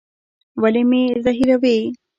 ولي مي زهيروې؟